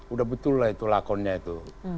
udah betul lah itu lakonnya itu